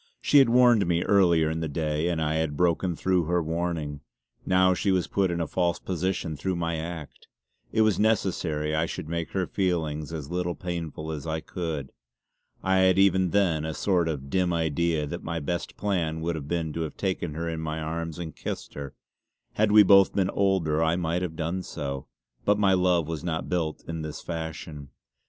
She had warned me earlier in the day, and I had broken through her warning. Now she was put in a false position through my act; it was necessary I should make her feelings as little painful as I could. I had even then a sort of dim idea that my best plan would have been to have taken her in my arms and kissed her. Had we both been older I might have done so; but my love was not built in this fashion.